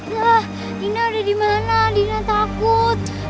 tante dina udah dimana dina takut